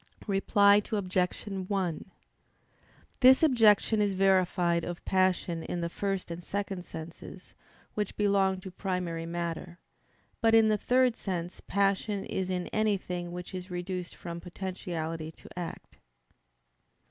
Reply Obj. 1: This objection is verified of passion in the first and second senses, which belong to primary matter. But in the third sense passion is in anything which is reduced from potentiality to act.